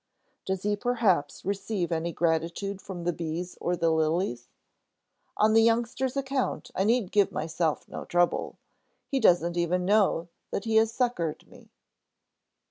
Does he perhaps receive any gratitude from the bees or the lilies? On that youngster's account I need give myself no trouble. He doesn't even know that he has succored me."